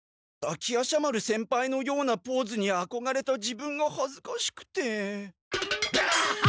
滝夜叉丸先輩のようなポーズにあこがれた自分がはずかしくて。